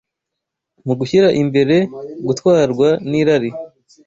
Mu gushyira imbere gutwarwa n’irari